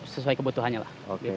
sesuai kebutuhannya lah